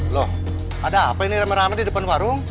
loh ada apa ini rame rame di depan warung